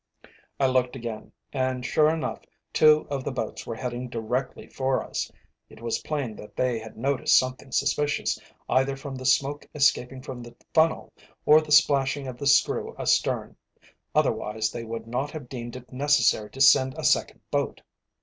I looked again, and sure enough two of the boats were heading directly for us. It was plain that they had noticed something suspicious, either from the smoke escaping from the funnel, or the splashing of the screw astern, otherwise they would not have deemed it necessary to send a second boat.